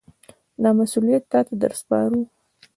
دا مسوولیت تاته در سپارو.